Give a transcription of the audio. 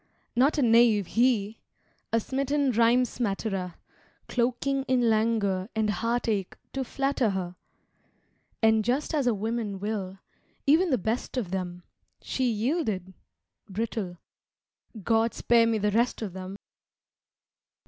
Not a knave, he! A smitten rhyme smatterer, Cloaking in languor And heartache to flatter her. And just as a woman will even the best of them She yielded brittle. God spare me the rest of them!